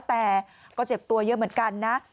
แต่ก็เจ็บตัวเยอะเหมือนกันนะ